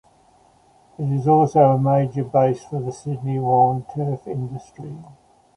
It is also a major base of the Sydney lawn turf industry.